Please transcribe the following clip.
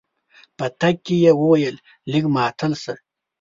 په تګ کې يې وويل لږ ماتل شه.